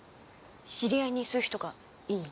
知り合いにそういう人がいんの？